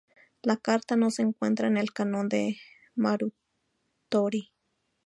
La carta no se encuentra en el Canon de Muratori.